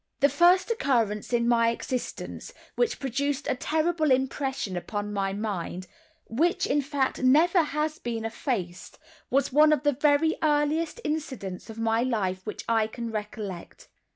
The first occurrence in my existence, which produced a terrible impression upon my mind, which, in fact, never has been effaced, was one of the very earliest incidents of my life which I can recollect.